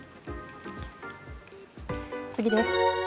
次です。